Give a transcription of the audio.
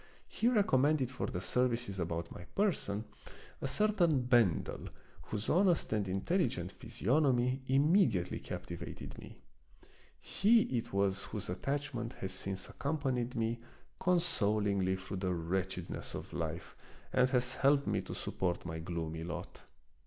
He recommended for the services about my person a certain Ben del, whose honest and intelligent physiognomy immediately captivated me. He it was whose attachment has since accompanied me consol ingly through the wretchedness of life and has helped me to support my gloomy lot.